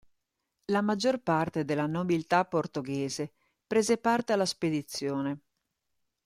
La maggior parte della nobiltà portoghese prese parte alla spedizione.